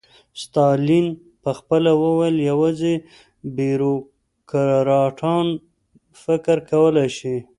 ستالین به خپله ویل یوازې بیروکراټان فکر کولای شي.